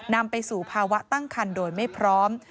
นำไปสู่ภาวะตั้งคันโดยไม่พร้อม